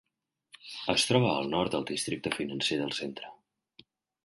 Es troba al nord del districte financer del centre.